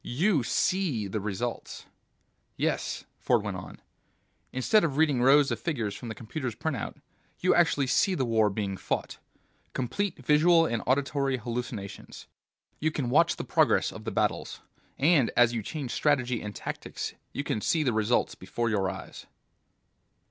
You see the results." "Yes," Ford went on. "Instead of reading rows of figures from the computer's printer ... you actually see the war being fought. Complete visual and auditory hallucinations. You can watch the progress of the battles, and as you change strategy and tactics you can see the results before your eyes."